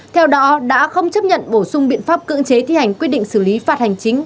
theo đó đã không chấp nhận bổ sung biện pháp cưỡng chế thi hành quyết định xử lý phạt hành chính